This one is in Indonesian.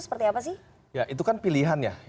seperti apa sih ya itu kan pilihan ya